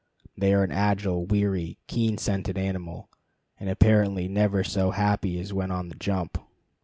They are an agile, wary, keen scented animal, and apparently never so happy as when on the jump.